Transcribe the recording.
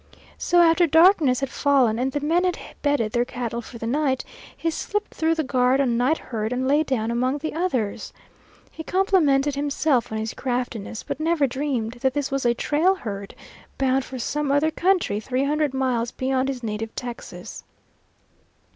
So after darkness had fallen and the men had bedded their cattle for the night, he slipped through the guard on night herd and lay down among the others. He complimented himself on his craftiness, but never dreamed that this was a trail herd, bound for some other country three hundred miles beyond his native Texas.